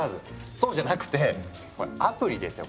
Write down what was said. そうじゃなくてアプリですよ